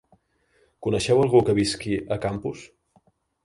Coneixes algú que visqui a Campos?